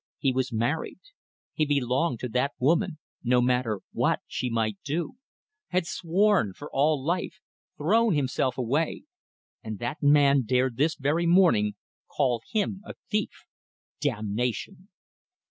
He was married. He belonged to that woman, no matter what she might do! ... Had sworn ... for all life! ... Thrown himself away. ... And that man dared this very morning call him a thief! Damnation!